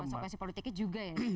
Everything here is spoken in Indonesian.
konsekuensi politiknya juga ya